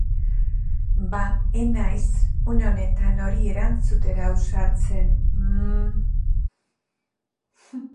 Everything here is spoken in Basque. Bada, ez naiz une honetan hori erantzutera ausartzen, e!